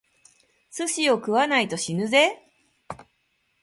寿司を食わないと死ぬぜ！